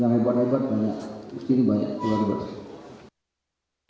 yang hebat hebat banyak